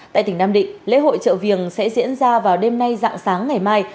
tại tỉnh nam định lễ hội chợ viềng sẽ diễn ra vào đêm nay dạng sáng ngày mai